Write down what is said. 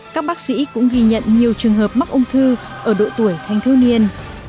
các bác sĩ cũng ghi nhận nhiều trường hợp mắc ung thư ở độ tuổi thanh thiếu niên